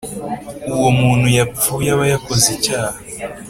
uwo muntu yapfuye aba yakoze icyaha